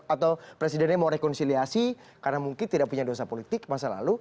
atau presidennya mau rekonsiliasi karena mungkin tidak punya dosa politik masa lalu